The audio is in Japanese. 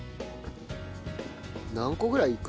何個ぐらいいく？